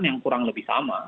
yang kurang lebih sama